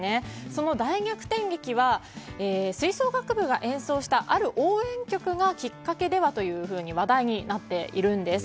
その大逆転劇は吹奏楽部が演奏したある応援曲がきっかけではと話題になっているんです。